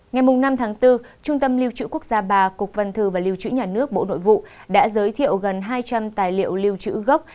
ngày năm tháng bốn trung tâm lưu trữ quốc gia ba cục văn thư và lưu trữ nhà nước bộ nội vụ đã giới thiệu gần hai trăm linh tài liệu lưu trữ gốc